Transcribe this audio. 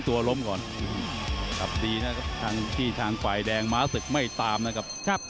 ทางไฟเร็งม้าสึกไม่ตามนะครับ